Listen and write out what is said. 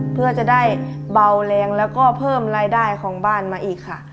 เพื่อจะได้เบาแรงแล้วก็เพิ่มรายได้ของบ้านมาอีกค่ะ